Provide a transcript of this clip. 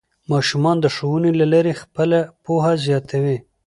ماشومان د ښوونې له لارې خپله پوهه زیاتوي